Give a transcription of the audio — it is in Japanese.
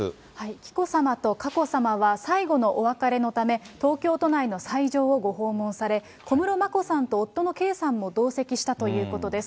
紀子さまと佳子さまは、最後のお別れのため、東京都内の斎場をご訪問され、小室眞子さんと夫の圭さんも同席したということです。